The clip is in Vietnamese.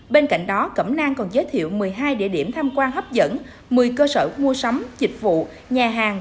bên cạnh đó cẩm nang còn giới thiệu một mươi hai địa điểm tham quan hấp dẫn một mươi cơ sở mua sắm dịch vụ nhà hàng